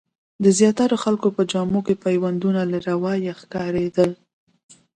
د زیاترو خلکو په جامو کې پیوندونه له ورايه ښکارېدل.